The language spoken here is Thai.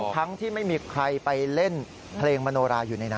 ทั้งที่ไม่มีใครไปเล่นเพลงมโนราอยู่ในน้ำ